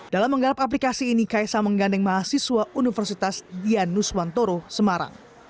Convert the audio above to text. dalam menggarap aplikasi ini kaisa menggandeng mahasiswa universitas yanuswantoro semarang